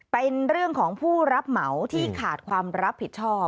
เป็นเรื่องของผู้รับเหมาที่ขาดความรับผิดชอบ